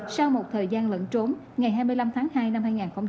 sau một thời gian lẫn trốn ngày hai mươi năm tháng hai năm hai nghìn hai mươi